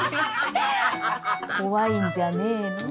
怖いんじゃねえの？